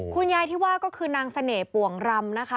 คุณยายที่ว่าก็คือนางเสน่ห์ป่วงรำนะคะ